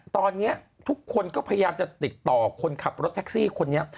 ตอนนี้ทุกคนก็พยายามจะติดต่อคนขับรถแท็กซี่คนนี้